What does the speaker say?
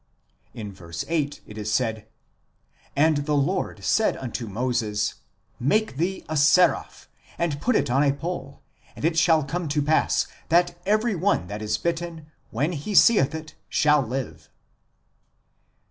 In verse 8 it is said :" And the Lord said unto Moses, Make thee a seraph, and put it on a pole ; and it shall come to pass, that every one that is bitten, when he seeth it, shall live."